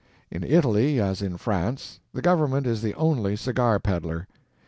In Italy, as in France, the Government is the only cigar peddler.